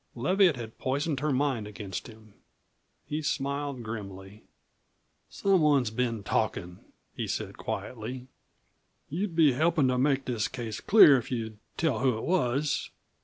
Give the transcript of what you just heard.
Leviatt had poisoned her mind against him. He smiled grimly. "Someone's been talkin'," he said quietly. "You'd be helpin' to make this case clear if you'd tell who it was."